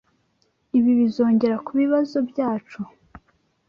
Ibi bizongera kubibazo byacu.